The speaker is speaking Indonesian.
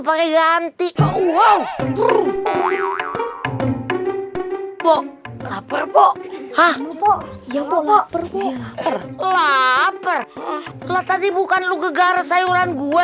pakai ganti wow pok lapar pok hah ya pok lapar lapar tadi bukan lu gegar sayuran gue